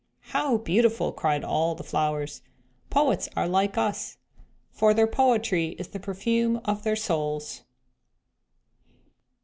"How beautiful!" cried all the flowers. "Poets are like us for their poetry is the perfume of their souls."